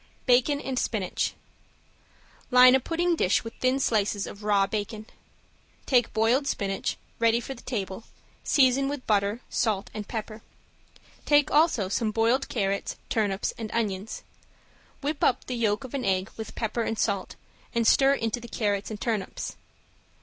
~BACON AND SPINACH~ Line a pudding dish with thin slices of raw bacon. Take boiled spinach, ready for the table, season with butter, salt and pepper. Take also some boiled carrots, turnips and onions. Whip up the yolk of an egg with pepper and salt, and stir into the carrots and turnips.